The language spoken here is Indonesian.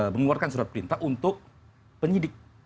mengeluarkan surat perintah untuk penyidik